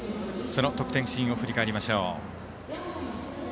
その得点シーンを振り返りましょう。